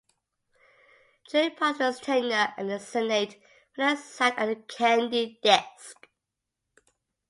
During part of his tenure in the Senate, Fannin sat at the candy desk.